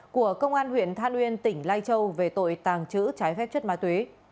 của công an huyện than uyên tỉnh lai châu về tội tàng trữ trái phép chất má tuyế